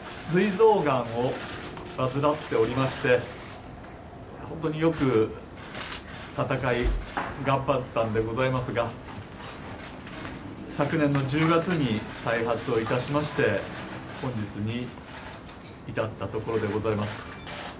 すい臓がんを患っておりまして本当によく闘い頑張ったんでございますが昨年の１０月に再発をしまして本日に至ったところでございます。